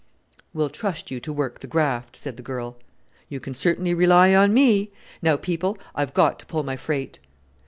"We'll trust you to work the graft," said the girl. "You can certainly rely on me! Now, people, I've got to pull my freight."